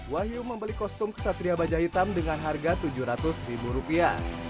wahyu membeli kostum kesatria baja hitam dengan harga tujuh ratus ribu rupiah